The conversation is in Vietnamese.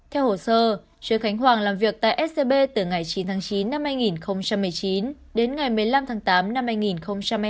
theo hồ sơ trương khánh hoàng làm việc tại scb từ ngày chín tháng chín năm hai nghìn một mươi chín đến ngày một mươi năm tháng tám năm hai nghìn hai mươi